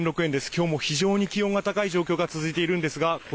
今日も非常に気温が高い状況が続いているんですが徽